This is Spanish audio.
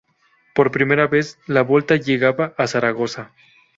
Por primera vez, la Volta llegaba a Zaragoza.